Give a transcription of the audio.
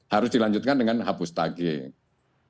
harus dilanjutkan dengan hapus taging